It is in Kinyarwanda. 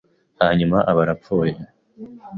hanyuma aba arapfuye